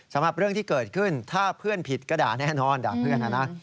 สำหรับเรื่องที่เกิดขึ้นถ้าเพื่อนผิดก็ด่าแน่นอนด่าเพื่อนนะนะ